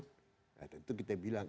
tentu kita bilang ini gara gara undang undang